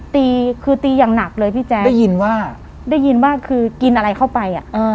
ตีคือตีอย่างหนักเลยพี่แจ๊คได้ยินว่าได้ยินว่าคือกินอะไรเข้าไปอ่ะอ่า